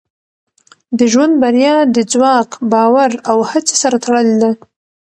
د ژوند بریا د ځواک، باور او هڅې سره تړلې ده.